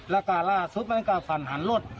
แล้วก็ล่าสุดมันก็ฝันหันรถ